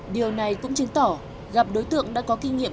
điều này cũng chứng tỏ gặp đối tượng đã có kinh nghiệm